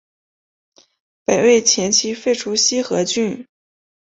北魏前期废除西河郡。